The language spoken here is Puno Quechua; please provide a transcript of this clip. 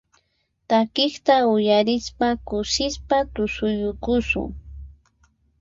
Takiqta uyarispa kusisqa tusuyukusun.